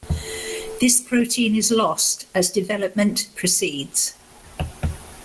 This protein is lost as development proceeds.